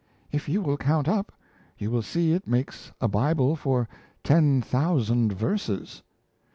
If you will count up, you will see it makes a Bible for ten thousand verses.